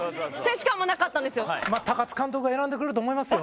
津監督が選んでくれると思いますよ。